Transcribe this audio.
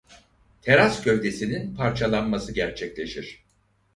Teras gövdesinin parçalanması gerçekleşir.